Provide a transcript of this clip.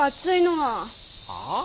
はあ？